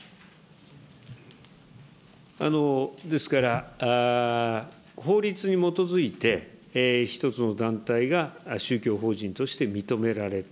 ですから、法律に基づいて一つの団体が宗教法人として認められた。